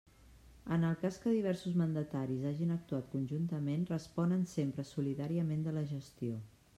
En el cas que diversos mandataris hagin actuat conjuntament, responen sempre solidàriament de la gestió.